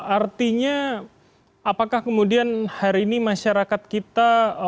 artinya apakah kemudian hari ini masyarakat kita